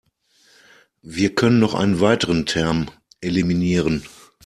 Wir können noch einen weiteren Term eliminieren.